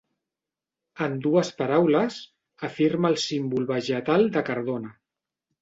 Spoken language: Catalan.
En dues paraules, afirma el símbol vegetal de Cardona.